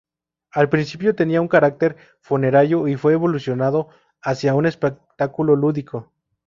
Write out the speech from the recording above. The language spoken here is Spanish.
Al principio tenían un carácter funerario y fue evolucionando hacia un espectáculo lúdico.